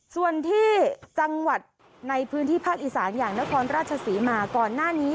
ส่วนที่จังหวัดในพื้นที่ภาคอีสานอย่างนครราชศรีมาก่อนหน้านี้